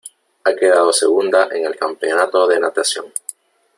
Ha quedado segunda en el campeonato de natación.